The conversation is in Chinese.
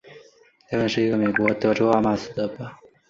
雷本是一个位于美国阿拉巴马州鲍德温县的非建制地区。